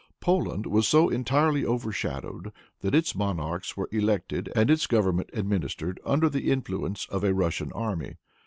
Poland was so entirely overshadowed that its monarchs were elected and its government administered under the influence of a Russian army.